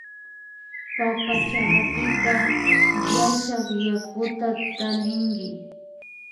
Papa chakrapika llashak yakuta tallinki